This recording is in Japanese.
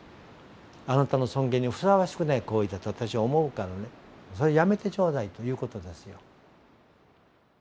あなたの尊厳にふさわしくない行為だと私は思うからねそれはやめてちょうだいということですよ。